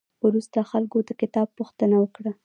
وروسته خلکو د کتاب پوښتنه وکړه.